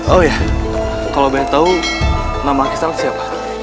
oh iya kalau benar tahu nama kisana siapa